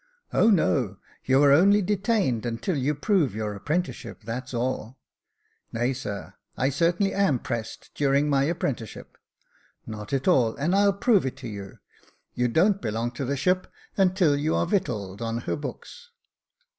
" O no ! you are only detained until you prove your apprenticeship, that's all." " Nay, sir, I certainly am pressed during my apprentice ship." " Not at all, and I'll prove it to you. You don't belong to the ship until you are victualled on her books.